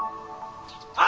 ・あ！